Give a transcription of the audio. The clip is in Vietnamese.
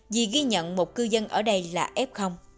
vì ghi nhận một cư dân ở đây là f